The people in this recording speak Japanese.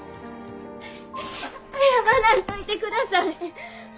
謝らんといてください。